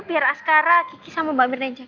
biar askara kiki sama mbak mirna yang jagain